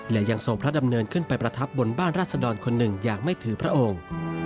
และยังทรงพระดำเนินขึ้นไปประทับบนบ้านราษดรคนหนึ่งอย่างไม่ถือพระองค์